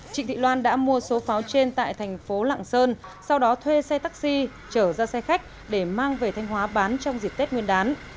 trịnh thị loan đã mua số pháo trên tại thành phố lạng sơn sau đó thuê xe taxi trở ra xe khách để mang về thanh hóa bán trong dịp tết nguyên đán